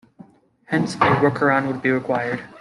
Hence, a workaround would be required.